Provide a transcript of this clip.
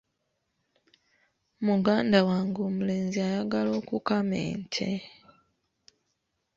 Muganda wange omulenzi ayagala okukama ente.